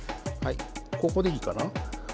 ここでいいかな？